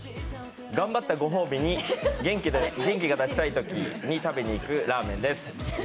頑張ったご褒美に元気が出したいときに食べに行くラーメンです。